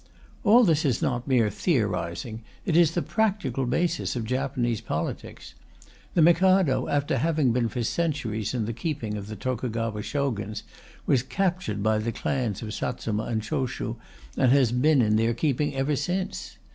All this is not mere theorizing; it is the practical basis of Japanese politics. The Mikado, after having been for centuries in the keeping of the Tokugawa Shoguns, was captured by the clans of Satsuma and Choshu, and has been in their keeping ever since.